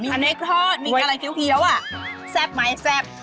อันนี้กราญพีเอาอ่ะแซ่บไหมแซ่บ